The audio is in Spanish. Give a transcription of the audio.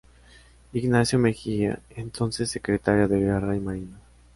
Ignacio Mejía, entonces Secretario de Guerra y Marina.